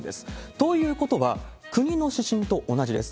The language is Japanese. ということは、国の指針と同じです。